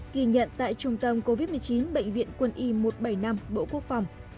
ghi nhận tại trung tâm covid một mươi chín bệnh viện quân y một trăm bảy mươi năm bộ quốc phòng